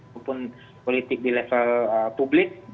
maupun politik di level publik